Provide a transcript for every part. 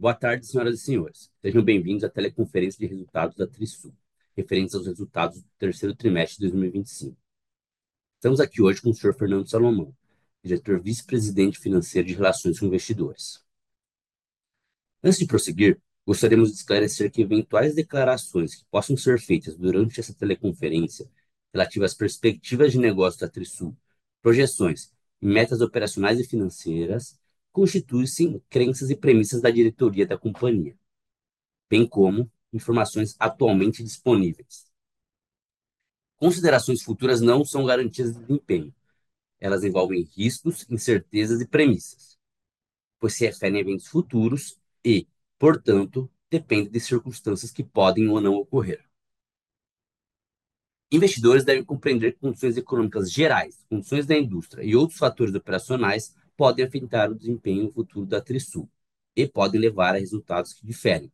Boa tarde, senhoras e senhores. Sejam bem-vindos à teleconferência de resultados da Trisul, referente aos resultados do terceiro trimestre de 2025. Estamos aqui hoje com o senhor Fernando Salomão, diretor vice-presidente financeiro de relações com investidores. Antes de prosseguir, gostaríamos de esclarecer que eventuais declarações que possam ser feitas durante essa teleconferência, relativa às perspectivas de negócios da Trisul, projeções e metas operacionais e financeiras, constituem-se crenças e premissas da diretoria da companhia, bem como informações atualmente disponíveis. Considerações futuras não são garantias de desempenho. Elas envolvem riscos, incertezas e premissas, pois se referem a eventos futuros e, portanto, dependem de circunstâncias que podem ou não ocorrer. Investidores devem compreender que condições econômicas gerais, condições da indústria e outros fatores operacionais podem afetar o desempenho futuro da Trisul e podem levar a resultados que diferem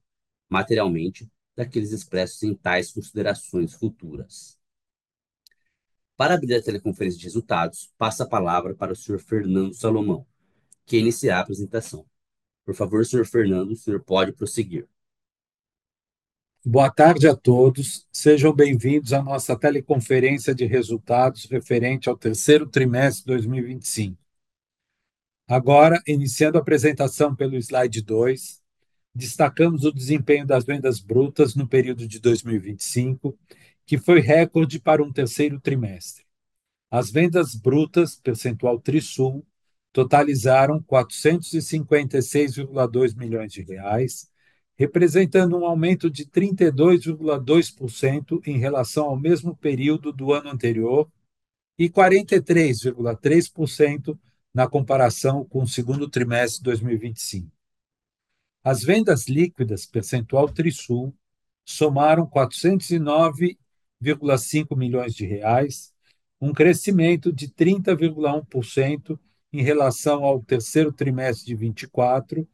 materialmente daqueles expressos em tais considerações futuras. Para abrir a teleconferência de resultados, passo a palavra para o senhor Fernando Salomão, que iniciará a apresentação. Por favor, senhor Fernando, o senhor pode prosseguir. Boa tarde a todos. Sejam bem-vindos à nossa teleconferência de resultados referente ao terceiro trimestre de 2025. Agora, iniciando a apresentação pelo slide 2, destacamos o desempenho das vendas brutas no período de 2025, que foi recorde para um terceiro trimestre. As vendas brutas, percentual Trisul, totalizaram BRL 456.2 milhões de reais, representando um aumento de 32.2% em relação ao mesmo período do ano anterior e 43.3% na comparação com o segundo trimestre de 2025. As vendas líquidas, percentual Trisul, somaram 409.5 milhões de reais, um crescimento de 30.1% em relação ao terceiro trimestre de 2024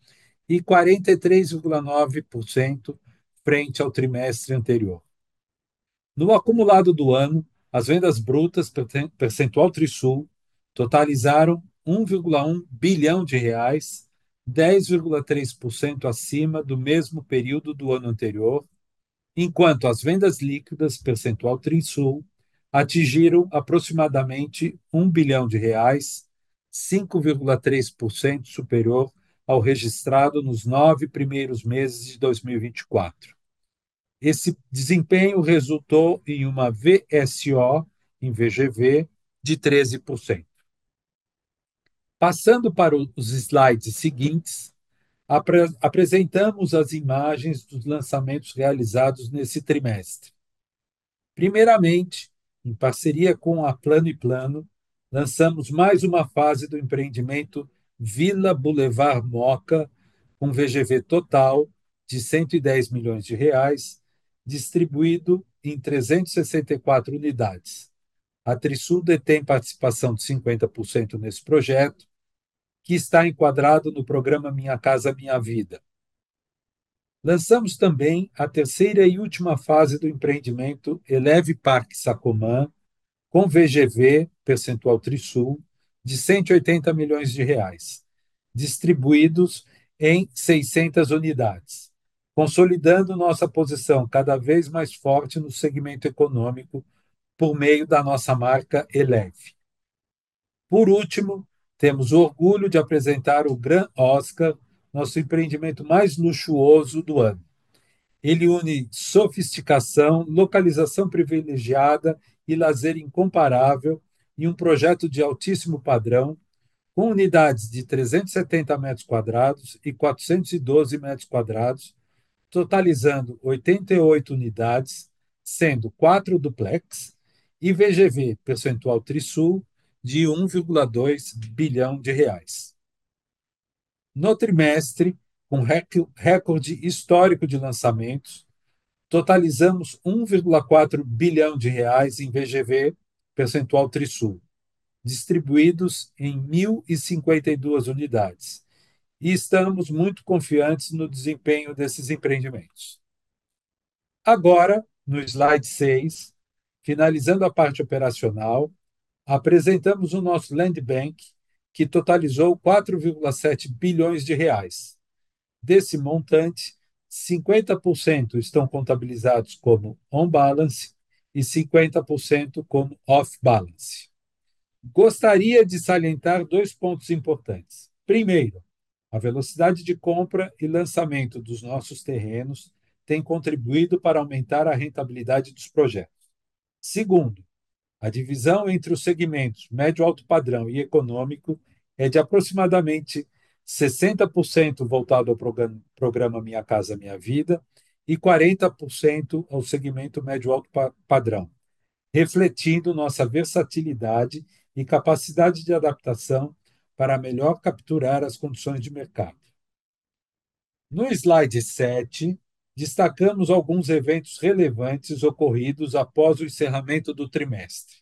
e 43.9% frente ao trimestre anterior. No acumulado do ano, as vendas brutas da Trisul totalizaram BRL 1.1 billion, 10.3% acima do mesmo período do ano anterior, enquanto as vendas líquidas da Trisul atingiram aproximadamente BRL 1 billion, 5.3% superior ao registrado nos nove primeiros meses de 2024. Esse desempenho resultou em uma VSO em VGV de 13%. Passando para os slides seguintes, apresentamos as imagens dos lançamentos realizados nesse trimestre. Primeiramente, em parceria com a Plano & Plano, lançamos mais uma fase do empreendimento Vila Boulevard Mooca, com VGV total de 110 million reais, distribuído em 364 unidades. A Trisul detém participação de 50% nesse projeto, que está enquadrado no programa Minha Casa, Minha Vida. Lançamos também a terceira e última fase do empreendimento Elev Parque Sacomã, com VGV percentual Trisul de 180 milhões de reais, distribuídos em 600 unidades, consolidando nossa posição cada vez mais forte no segmento econômico por meio da nossa marca Eleve. Por último, temos o orgulho de apresentar o Grand Oscar, nosso empreendimento mais luxuoso do ano. Ele une sofisticação, localização privilegiada e lazer incomparável em um projeto de altíssimo padrão, com unidades de 370 metros quadrados e 412 metros quadrados, totalizando 88 unidades, sendo 4 duplex e VGV percentual Trisul de 1.2 bilhão de reais. No trimestre, um recorde histórico de lançamentos, totalizamos 1.4 bilhão de reais em VGV percentual Trisul, distribuídos em 1,052 unidades. Estamos muito confiantes no desempenho desses empreendimentos. Agora, no slide 6, finalizando a parte operacional, apresentamos o nosso Land Bank, que totalizou 4.7 billion reais. Desse montante, 50% estão contabilizados como on balance e 50% como off balance. Gostaria de salientar dois pontos importantes. Primeiro, a velocidade de compra e lançamento dos nossos terrenos tem contribuído para aumentar a rentabilidade dos projetos. Segundo, a divisão entre os segmentos médio-alto padrão e econômico é de aproximadamente 60% voltado ao programa Minha Casa, Minha Vida e 40% ao segmento médio-alto padrão, refletindo nossa versatilidade e capacidade de adaptação para melhor capturar as condições de mercado. No slide 7, destacamos alguns eventos relevantes ocorridos após o encerramento do trimestre.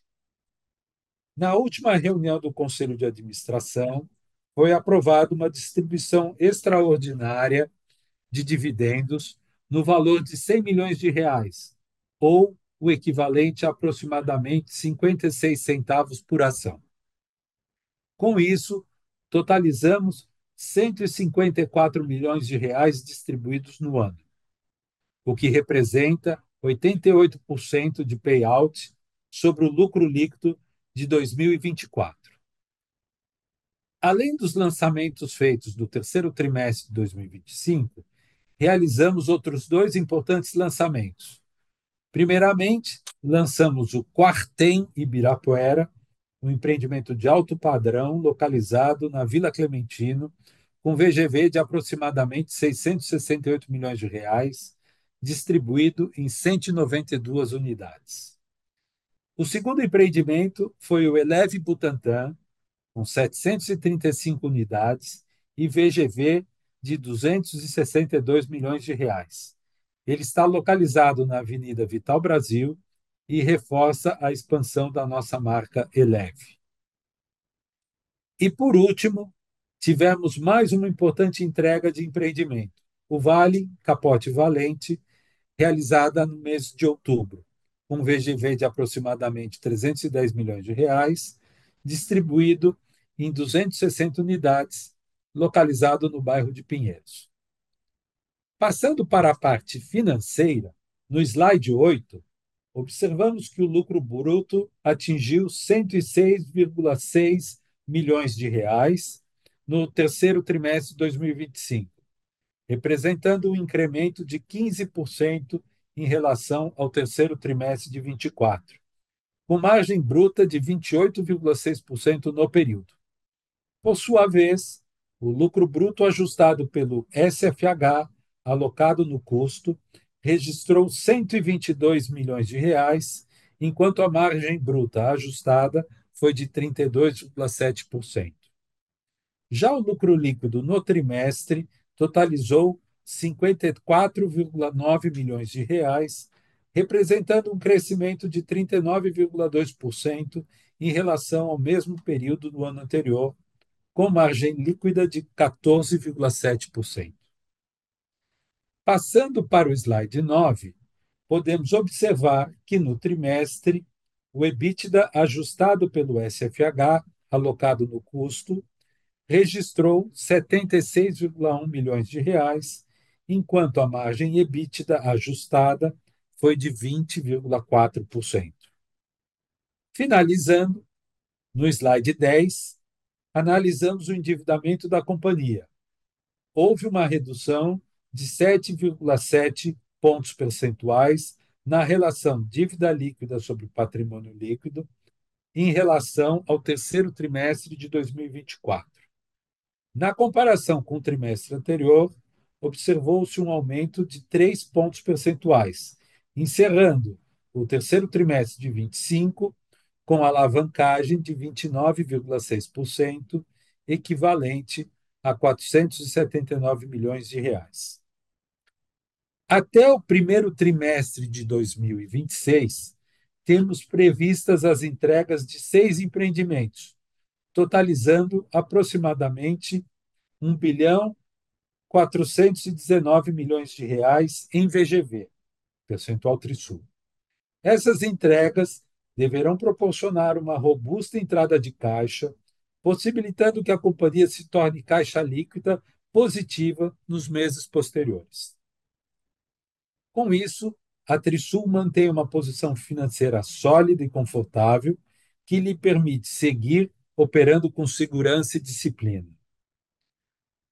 Na última reunião do Conselho de Administração, foi aprovado uma distribuição extraordinária de dividendos no valor de 100 milhões reais ou o equivalente a aproximadamente 0.56 por ação. Com isso, totalizamos 154 milhões reais distribuídos no ano, o que representa 88% de payout sobre o lucro líquido de 2024. Além dos lançamentos feitos do terceiro trimestre de 2025, realizamos outros 2 importantes lançamentos. Primeiramente, lançamos o Quartem Ibirapuera, um empreendimento de alto padrão localizado na Vila Clementino, com VGV de aproximadamente 668 milhões reais, distribuído em 192 unidades. O segundo empreendimento foi o Elevv Butantã, com 735 unidades e VGV de 262 milhões reais. Ele está localizado na Avenida Vital Brasil e reforça a expansão da nossa marca Elevv. por último, tivemos mais uma importante entrega de empreendimento, o Vale Capote Valente, realizada no mês de outubro, com VGV de aproximadamente 310 milhões reais, distribuído em 260 unidades, localizado no bairro de Pinheiros. Passando para a parte financeira, no slide 8, observamos que o lucro bruto atingiu 106.6 milhões reais no terceiro trimestre de 2025, representando um incremento de 15% em relação ao terceiro trimestre de 2024, com margem bruta de 28.6% no período. Por sua vez, o lucro bruto ajustado pelo SFH, alocado no custo, registrou 122 milhões reais, enquanto a margem bruta ajustada foi de 32.7%. Já o lucro líquido no trimestre totalizou BRL 54.9 milhões, representando um crescimento de 39.2% em relação ao mesmo período do ano anterior, com margem líquida de 14.7%. Passando para o slide 9, podemos observar que no trimestre, o EBITDA ajustado pelo SFH alocado no custo registrou 76.1 milhões reais, enquanto a margem EBITDA ajustada foi de 24.4%. Finalizando, no slide 10, analisamos o endividamento da companhia. Houve uma redução de 7.7 pontos percentuais na relação dívida líquida sobre patrimônio líquido em relação ao terceiro trimestre de 2024. Na comparação com o trimestre anterior, observou-se um aumento de 3 pontos percentuais, encerrando o terceiro trimestre de 2025 com alavancagem de 29.6%, equivalente a 479 milhões reais. Até o primeiro trimestre de 2026, temos previstas as entregas de seis empreendimentos, totalizando aproximadamente 1.419 bilhão em VGV percentual Trisul. Essas entregas deverão proporcionar uma robusta entrada de caixa, possibilitando que a companhia se torne caixa líquida positiva nos meses posteriores. Com isso, a Trisul mantém uma posição financeira sólida e confortável, que lhe permite seguir operando com segurança e disciplina.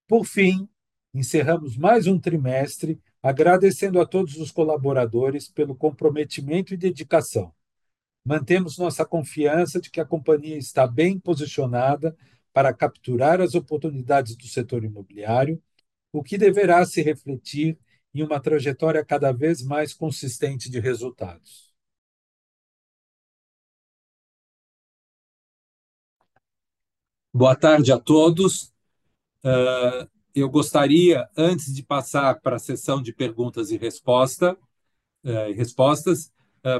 Por fim, encerramos mais um trimestre agradecendo a todos os colaboradores pelo comprometimento e dedicação. Mantemos nossa confiança de que a companhia está bem posicionada para capturar as oportunidades do setor imobiliário, o que deverá se refletir em uma trajetória cada vez mais consistente de resultados. Boa tarde a todos. Eu gostaria, antes de passar pra sessão de perguntas e respostas,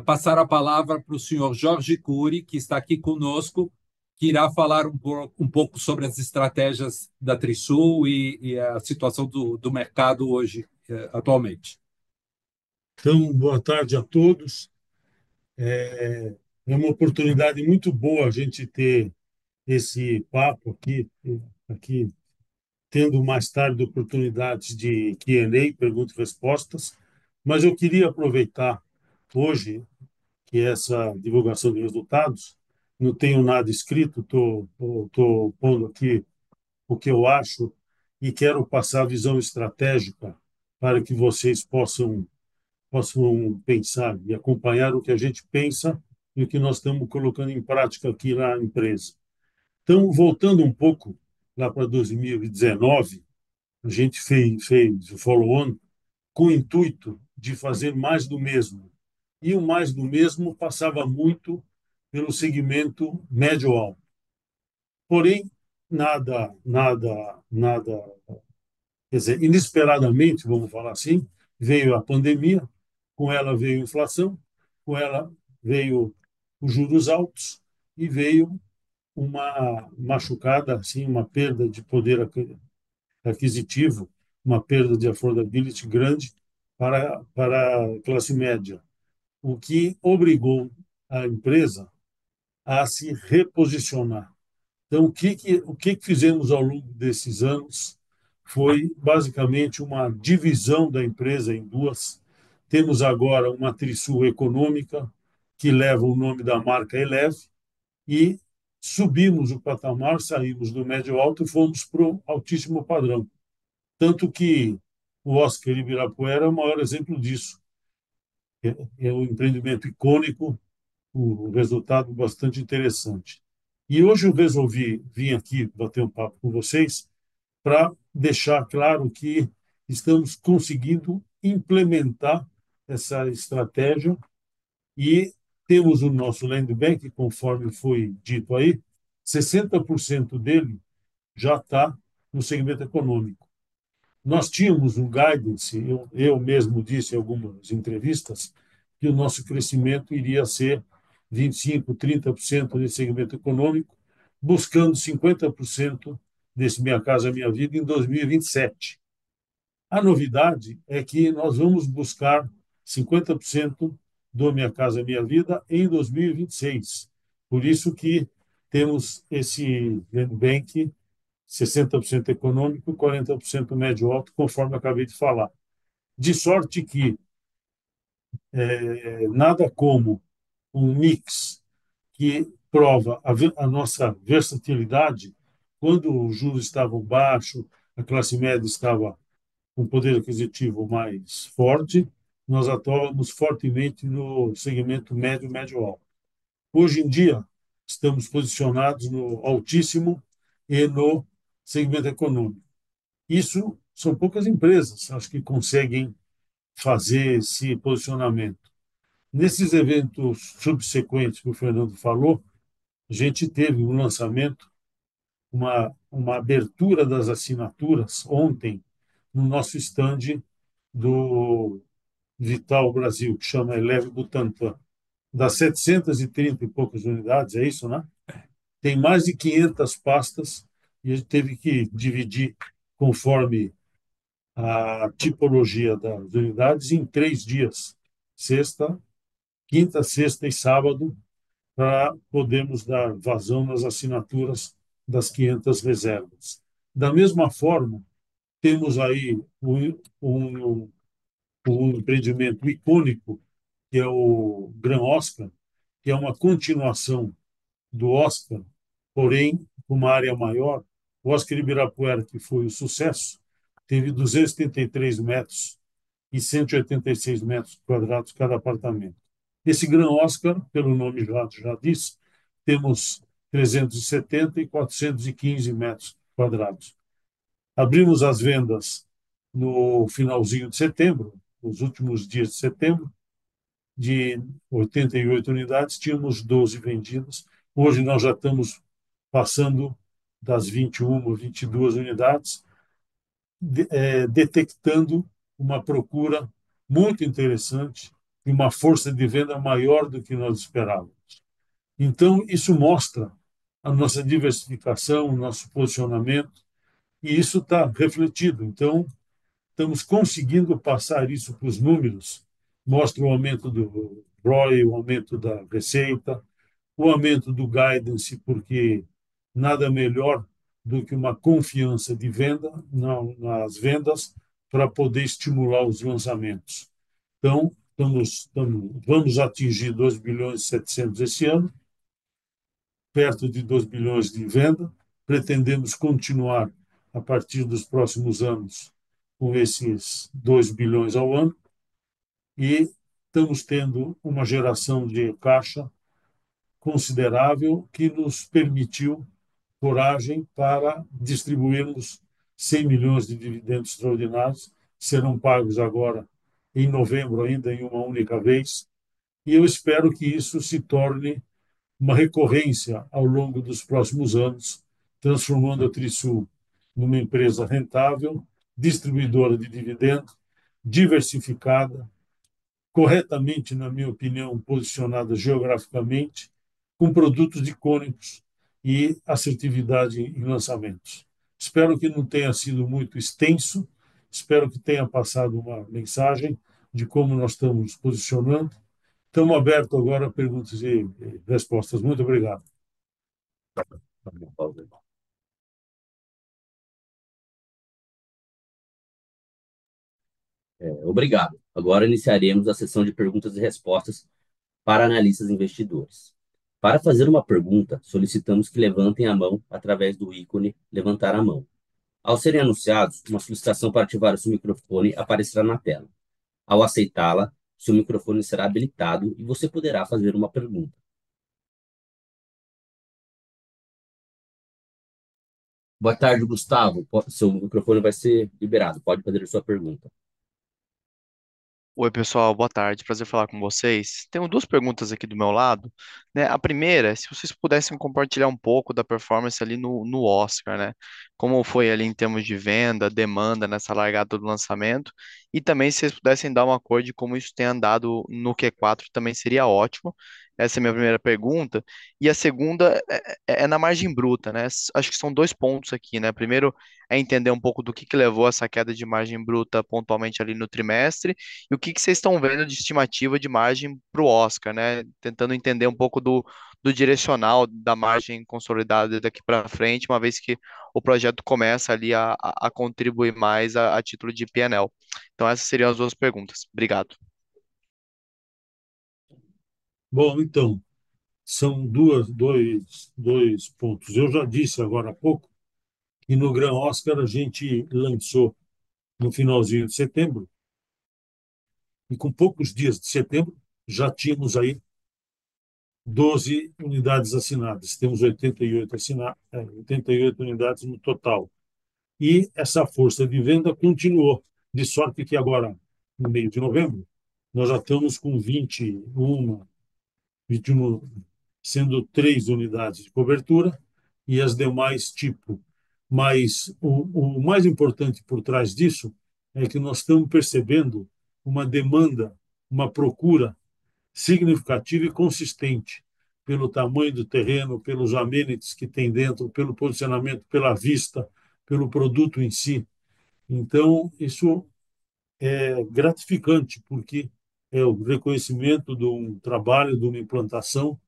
passar a palavra pro senhor Jorge Cury, que está aqui conosco, que irá falar um pouco sobre as estratégias da Trisul e a situação do mercado hoje, atualmente. Boa tarde a todos. Uma oportunidade muito boa a gente ter esse papo aqui, tendo mais tarde oportunidades de Q&A, perguntas e respostas. Eu queria aproveitar hoje, que é essa divulgação de resultados. Não tenho nada escrito, tô pondo aqui o que eu acho e quero passar a visão estratégica para que vocês possam pensar e acompanhar o que a gente pensa e o que nós tamo colocando em prática aqui na empresa. Voltando um pouco lá pra 2019, a gente fez o follow on com o intuito de fazer mais do mesmo, e o mais do mesmo passava muito pelo segmento médio-alto. Nada, quer dizer, inesperadamente, vamos falar assim, veio a pandemia, com ela veio inflação, com ela veio os juros altos e veio uma machucada, assim, uma perda de poder aquisitivo, uma perda de affordability grande para a classe média. O que obrigou a empresa a se reposicionar. O que fizemos ao longo desses anos foi basicamente uma divisão da empresa em duas. Temos agora uma Trisul Econômica, que leva o nome da marca Elevve, e subimos o patamar, saímos do médio-alto e fomos pro altíssimo padrão. Tanto que o Oscar Ibirapuera é o maior exemplo disso. É um empreendimento icônico, com resultado bastante interessante. Hoje eu resolvi vir aqui bater um papo com vocês pra deixar claro que estamos conseguindo implementar essa estratégia e temos o nosso Land Bank, conforme foi dito aí, 60% dele já tá no segmento econômico. Nós tínhamos um guidance, eu mesmo disse em algumas entrevistas, que o nosso crescimento iria ser 25-30% nesse segmento econômico, buscando 50% desse Minha Casa, Minha Vida em 2027. A novidade é que nós vamos buscar 50% do Minha Casa, Minha Vida em 2026. Por isso que temos esse Land Bank, 60% econômico, 40% médio-alto, conforme eu acabei de falar. De sorte que, nada como um mix que prova a nossa versatilidade quando os juros estavam baixo, a classe média estava com poder aquisitivo mais forte, nós atuávamos fortemente no segmento médio-alto. Hoje em dia estamos posicionados no altíssimo e no segmento econômico. Isso são poucas empresas, as que conseguem fazer esse posicionamento. Nesses eventos subsequentes que o Fernando falou, a gente teve um lançamento, uma abertura das assinaturas ontem no nosso stand do Vital Brasil, que chama Elevv Butantã. Das 730 e poucas unidades, é isso, né? Tem mais de 500 pastas e a gente teve que dividir conforme a tipologia das unidades em 3 dias. Quinta, sexta e sábado pra podermos dar vazão nas assinaturas das 500 reservas. Da mesma forma, temos aí o empreendimento icônico que é o Grand Oscar, que é uma continuação do Oscar, porém com uma área maior. O Oscar Ibirapuera, que foi um sucesso, teve 233 metros e 186 metros quadrados cada apartamento. Esse Grand Oscar, pelo nome já diz, temos 374,415 metros quadrados. Abrimos as vendas no finalzinho de setembro, nos últimos dias de setembro, de 88 unidades, tínhamos 12 vendidas. Hoje nós já tamos passando das 21 ou 22 unidades, detectando uma procura muito interessante e uma força de venda maior do que nós esperávamos. Isso mostra a nossa diversificação, o nosso posicionamento, e isso tá refletido. Tamos conseguindo passar isso pros números, mostra o aumento do ROI, o aumento da receita, o aumento do guidance, porque nada melhor do que uma confiança de venda nas vendas pra poder estimular os lançamentos. Tamos vamos atingir 2.7 billion esse ano, perto de 2 billion de venda. Pretendemos continuar a partir dos próximos anos com esses 2 bilhões ao ano e tamos tendo uma geração de caixa considerável que nos permitiu coragem para distribuirmos 100 milhões de dividendos extraordinários. Serão pagos agora em novembro ainda em uma única vez. Eu espero que isso se torne uma recorrência ao longo dos próximos anos, transformando a Trisul numa empresa rentável, distribuidora de dividendos, diversificada, corretamente, na minha opinião, posicionada geograficamente, com produtos icônicos e assertividade em lançamentos. Espero que não tenha sido muito extenso. Espero que tenha passado uma mensagem de como nós tamos posicionando. Tamo aberto agora a perguntas e respostas. Muito obrigado. Obrigado. Agora iniciaremos a sessão de perguntas e respostas para analistas e investidores. Para fazer uma pergunta, solicitamos que levantem a mão através do ícone "levantar a mão". Ao serem anunciados, uma solicitação para ativar o seu microfone aparecerá na tela. Ao aceitá-la, seu microfone será habilitado e você poderá fazer uma pergunta. Boa tarde, Gustavo. Seu microfone vai ser liberado. Pode fazer sua pergunta. Oi, pessoal, boa tarde. Prazer falar com vocês. Tenho duas perguntas aqui do meu lado, né? A primeira é se vocês pudessem compartilhar um pouco da performance ali no Oscar, né? Como foi ali em termos de venda, demanda nessa largada do lançamento. Também se cês pudessem dar uma cor de como isso tem andado no Q4 também seria ótimo. Essa é minha primeira pergunta. A segunda é na margem bruta, né? Acho que são dois pontos aqui, né? Primeiro é entender um pouco do que que levou essa queda de margem bruta pontualmente ali no trimestre e o que que cês tão vendo de estimativa de margem pro Oscar, né? Tentando entender um pouco do direcional da margem consolidada daqui pra frente, uma vez que o projeto começa ali a contribuir mais a título de P&L. Essas seriam as duas perguntas. Obrigado. São dois pontos. Eu já disse agora há pouco que no Grand Oscar a gente lançou no finalzinho de setembro e com poucos dias de setembro já tínhamos aí 12 unidades assinadas. Temos 88 unidades no total. Essa força de venda continuou, de sorte que agora, no meio de novembro, nós já tamos com 21, sendo 3 unidades de cobertura e as demais tipo. O mais importante por trás disso é que nós tamo percebendo uma demanda, uma procura significativa e consistente pelo tamanho do terreno, pelos amenities que tem dentro, pelo posicionamento, pela vista, pelo produto em si. Isso é gratificante, porque é o reconhecimento dum trabalho, duma implantação,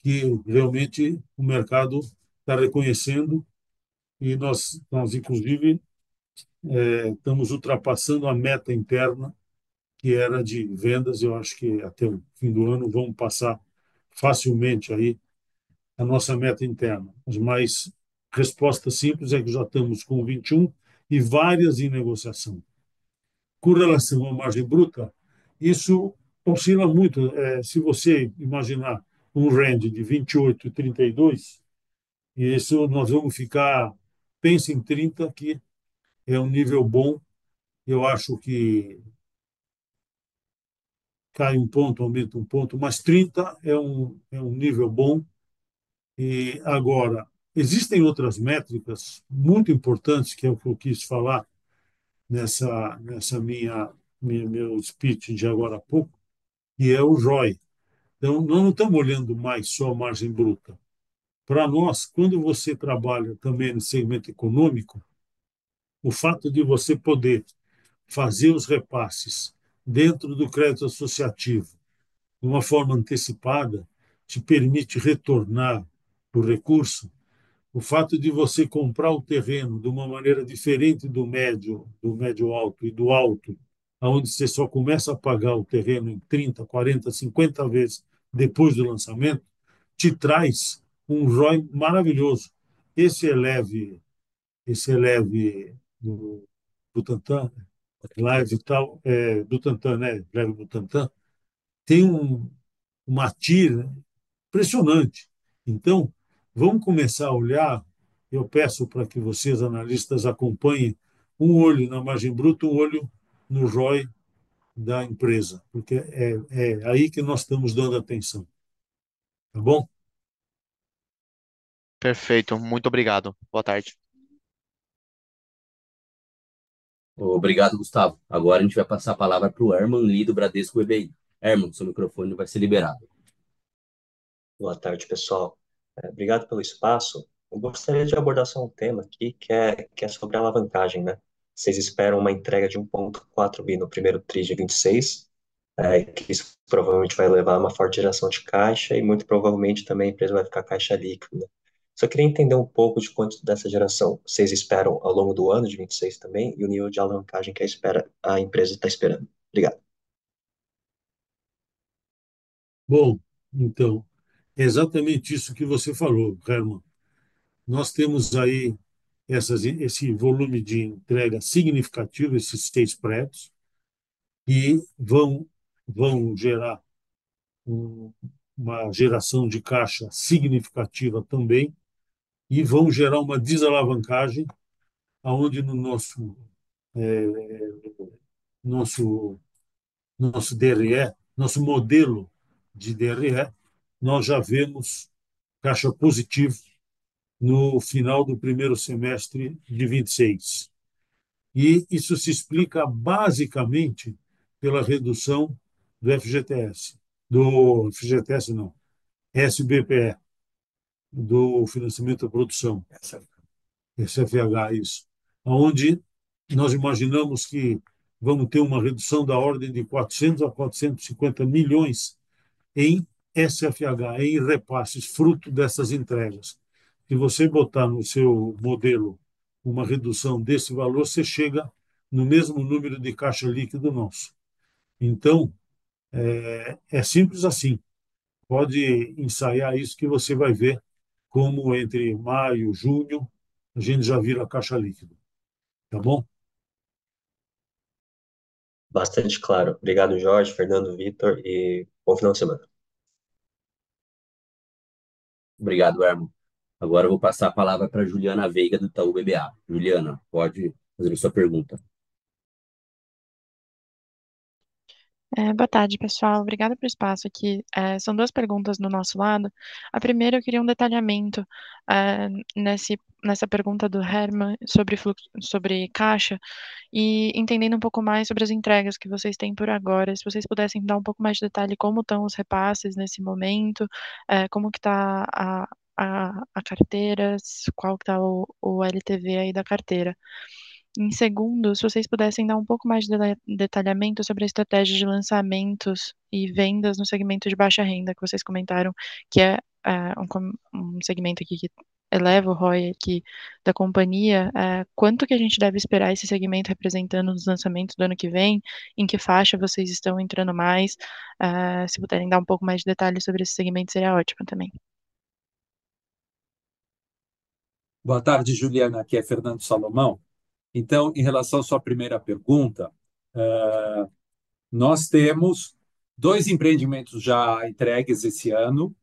que realmente o mercado tá reconhecendo e nós inclusive tamos ultrapassando a meta interna, que era de vendas. Eu acho que até o fim do ano vamos passar facilmente aí a nossa meta interna. Resposta simples é que já tamos com 21 e várias em negociação. Com relação à margem bruta, isso oscila muito. Se você imaginar um range de 28%-32%, isso nós vamos ficar. Pensa em 30%, que é um nível bom. Eu acho que cai 1%, aumenta 1%, mas 30% é um nível bom. Agora existem outras métricas muito importantes, que é o que eu quis falar nessa minha speech de agora há pouco, que é o ROI. Nós não tamo olhando mais só a margem bruta. Pra nós, quando você trabalha também no segmento econômico, o fato de você poder fazer os repasses dentro do crédito associativo, de uma forma antecipada, te permite retornar o recurso. O fato de você comprar o terreno duma maneira diferente do médio, do médio-alto e do alto, onde cê só começa a pagar o terreno em 30, 40, 50 vezes depois do lançamento, te traz um ROI maravilhoso. Esse Eleve do Tantán, Backlight e tal, Eleve do Tantán, tem uma TIR impressionante. Vamo começar a olhar, eu peço pra que vocês, analistas, acompanhem um olho na margem bruta, um olho no ROI da empresa, porque é aí que nós tamos dando atenção, tá bom? Perfeito, muito obrigado. Boa tarde. Obrigado, Gustavo. Agora a gente vai passar a palavra pro Herman Lee, do Bradesco BBI. Herman, seu microfone vai ser liberado. Boa tarde, pessoal. Obrigado pelo espaço. Eu gostaria de abordar só um tema aqui, que é sobre alavancagem, né? Vocês esperam uma entrega de 1.4 billion no primeiro tri de 2026, que isso provavelmente vai levar uma forte geração de caixa e muito provavelmente também a empresa vai ficar caixa líquida. Só queria entender um pouco de quanto dessa geração vocês esperam ao longo do ano de 2026 também e o nível de alavancagem que a empresa tá esperando. Obrigado. É exatamente isso que você falou, Herman. Nós temos aí esse volume de entrega significativo, esses três prédios, que vão gerar uma geração de caixa significativa também e vão gerar uma desalavancagem, onde no nosso DRE, nosso modelo de DRE, nós já vemos caixa positivo no final do primeiro semestre de 2026. Isso se explica basicamente pela redução do SBPE, do financiamento da produção. SFH. SFH, isso. Onde nós imaginamos que vamo ter uma redução da ordem de 400 million-450 million em SFH, em repasses, fruto dessas entregas. Se você botar no seu modelo uma redução desse valor, cê chega no mesmo número de caixa líquido nosso. É simples assim. Pode inserir isso que você vai ver como entre maio, junho, a gente já vira caixa líquido. Tá bom? Bastante claro. Obrigado, Jorge, Fernando, Victor e bom final de semana. Obrigado, Herman. Agora eu vou passar a palavra pra Juliana Veiga, do Itaú BBA. Juliana, pode fazer sua pergunta. Boa tarde, pessoal. Obrigada pelo espaço aqui. São duas perguntas do nosso lado. A primeira, eu queria um detalhamento nessa pergunta do Herman Lee sobre caixa, e entendendo um pouco mais sobre as entregas que vocês têm por agora, se vocês pudessem dar um pouco mais de detalhe, como tão os repasses nesse momento, como que tá a carteira, qual que tá o LTV aí da carteira. Em segundo, se vocês pudessem dar um pouco mais de detalhamento sobre a estratégia de lançamentos e vendas no segmento de baixa renda, que vocês comentaram que um segmento aqui que eleva o ROI aqui da companhia, quanto que a gente deve esperar esse segmento representando nos lançamentos do ano que vem? Em que faixa vocês estão entrando mais? Se puderem dar um pouco mais de detalhes sobre esse segmento, seria ótimo também. Boa tarde, Juliana. Aqui é Fernando Salomão. Em relação à sua primeira pergunta, nós temos 2 empreendimentos já entregues esse ano,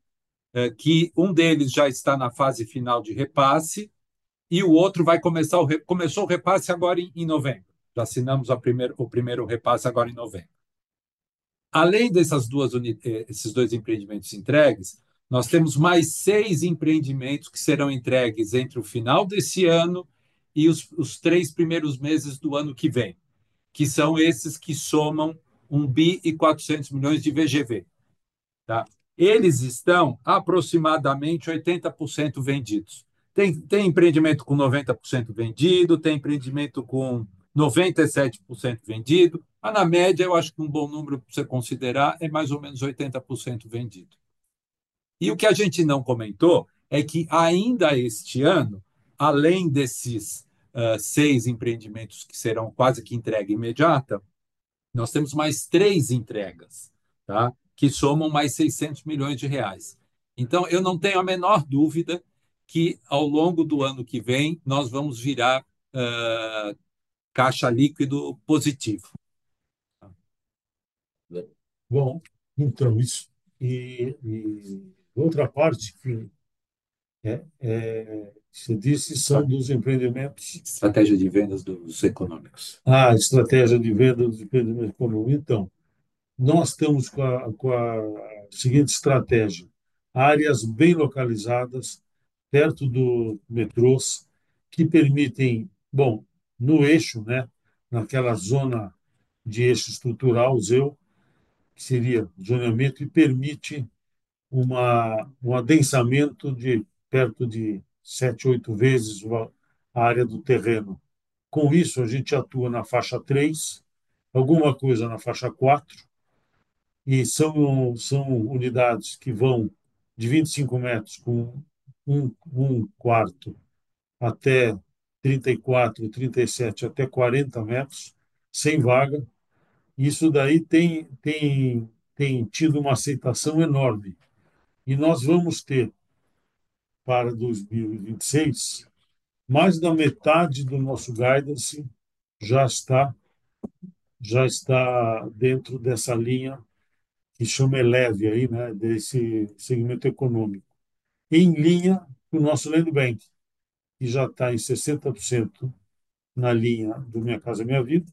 que um deles já está na fase final de repasse e o outro começou o repasse agora em novembro. Já assinamos o primeiro repasse agora em novembro. Além dessas duas, esses 2 empreendimentos entregues, nós temos mais 6 empreendimentos que serão entregues entre o final desse ano e os três primeiros meses do ano que vem, que são esses que somam 1.4 billion de VGV, tá? Eles estão aproximadamente 80% vendidos. Tem empreendimento com 90% vendido, tem empreendimento com 97% vendido. Mas, na média, eu acho que um bom número pra cê considerar é mais ou menos 80% vendido. O que a gente não comentou é que ainda este ano, além desses, 6 empreendimentos que serão quase que entrega imediata, nós temos mais 3 entregas. Que somam mais 600 million reais. Eu não tenho a menor dúvida que ao longo do ano que vem nós vamos virar caixa líquido positivo. Bom, então isso. Outra parte que cê disse são dos empreendimentos. Estratégia de vendas dos econômicos. Estratégia de venda dos empreendimentos econômicos. Nós estamos com a seguinte estratégia: áreas bem localizadas, perto do metrô, que permitem no eixo naquela zona de eixo estrutural, ZEIS, que seria zoneamento, e permite um adensamento de perto de 7-8 vezes a área do terreno. Com isso, a gente atua na faixa 3, alguma coisa na faixa 4, e são unidades que vão de 25 metros com 1 quarto até 34, 37 até 40 metros, sem vaga. Isso tem tido uma aceitação enorme. Nós vamos ter, para 2026, mais da metade do nosso guidance já está dentro dessa linha que chama Eleve desse segmento econômico. Em linha com o nosso land bank, que já tá em 60% na linha do Minha Casa, Minha Vida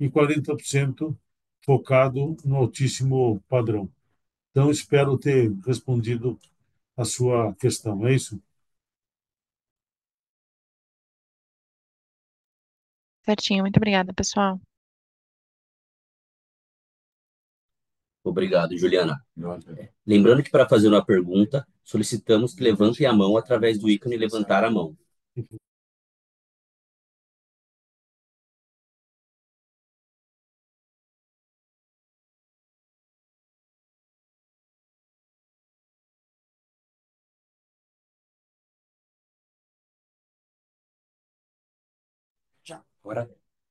e 40% focado no altíssimo padrão. Espero ter respondido a sua questão. É isso? Certinho. Muito obrigada, pessoal. Obrigado, Juliana.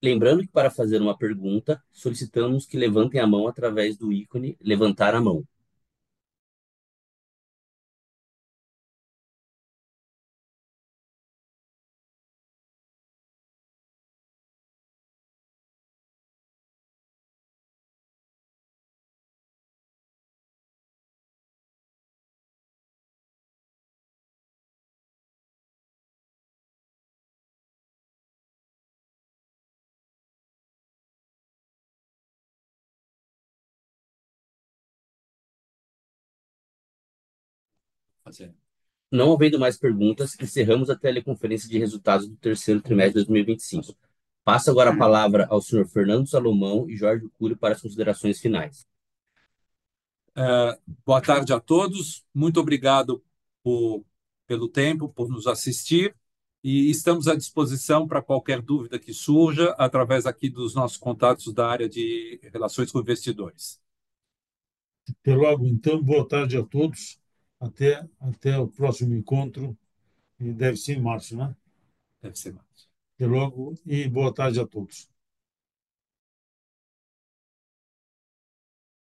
Lembrando que para fazer uma pergunta, solicitamos que levantem a mão através do ícone "levantar a mão". Não havendo mais perguntas, encerramos a teleconferência de resultados do terceiro trimestre de 2025. Passo agora a palavra ao senhor Fernando Salomão e Jorge Cury para as considerações finais. Boa tarde a todos. Muito obrigado pelo tempo, por nos assistir. Estamos à disposição pra qualquer dúvida que surja através aqui dos nossos contatos da área de relações com investidores. Até logo então. Boa tarde a todos. Até o próximo encontro. Deve ser em março, né? Deve ser em março. Até logo e boa tarde a todos.